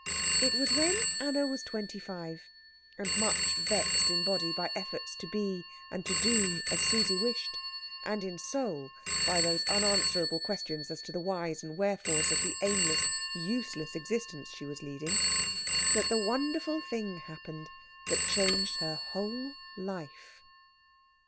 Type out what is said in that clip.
It was when Anna was twenty five, and much vexed in body by efforts to be and to do as Susie wished, and in soul by those unanswerable questions as to the why and wherefore of the aimless, useless existence she was leading, that the wonderful thing happened that changed her whole life.